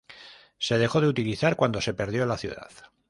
Se dejó de utilizar cuando se perdió la ciudad.